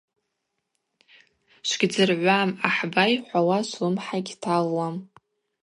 Швгьдзыргӏвуам, ахӏба йхӏвауа швлымхӏа йгьталуам.